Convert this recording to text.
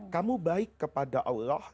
kamu baik kepada allah